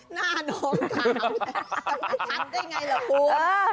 หน้าน้องขาวยังไม่ชัดได้ไงเหรอครู